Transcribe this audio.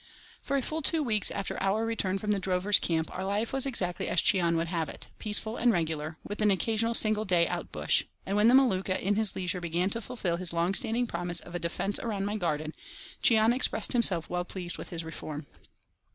For two full weeks after our return from the drovers' camp our life was exactly as Cheon would have it—peaceful and regular, with an occasional single day "out bush"; and when the Maluka in his leisure began to fulfil his long standing promise of a defence around my garden, Cheon expressed himself well pleased with his reform.